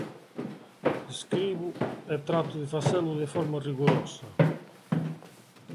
Escribo e trato de facelo de forma rigorosa.